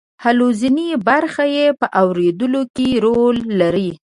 حلزوني برخه یې په اوریدلو کې رول لري.